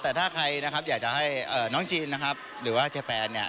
แต่ถ้าใครนะครับอยากจะให้น้องจีนนะครับหรือว่าเจแปนเนี่ย